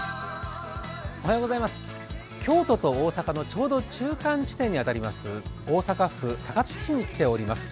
京都と大阪のちょうど中間地点に当たります大阪府高槻市に来ております。